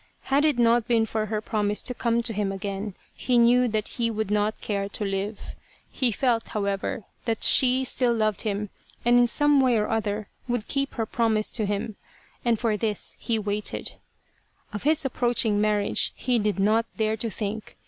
Had it not been for her promise to come to him again he knew that he would not care to live. He felt, however, that she still loved him and in some way or other would keep her 132 \ The Lady of the Picture promise to him, and for this waited. Of his approach ing marriage he did not dare to think.